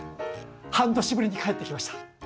半年ぶりに帰ってきました。